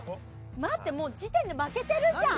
待ってもう時点で負けてるじゃん。